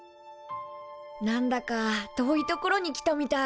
なんだか遠い所に来たみたい。